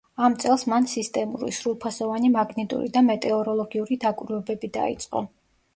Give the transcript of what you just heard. ამ წელს მან სისტემური, სრულფასოვანი მაგნიტური და მეტეოროლოგიური დაკვირვებები დაიწყო.